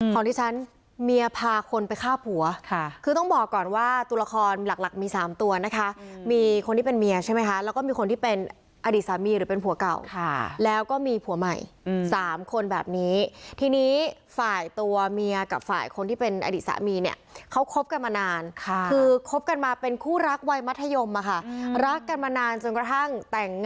ของที่ฉันเมียพาคนไปฆ่าผัวคือต้องบอกก่อนว่าตัวละครหลักมี๓ตัวนะคะมีคนที่เป็นเมียใช่ไหมคะแล้วก็มีคนที่เป็นอดีตสามีหรือเป็นผัวเก่าแล้วก็มีผัวใหม่๓คนแบบนี้ทีนี้ฝ่ายตัวเมียกับฝ่ายคนที่เป็นอดีตสามีเนี่ยเขาคบกันมานานค่ะคือคบกันมาเป็นคู่รักวัยมัธยมอะค่ะรักกันมานานจนกระทั่งแต่ง